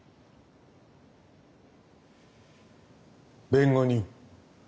弁護人。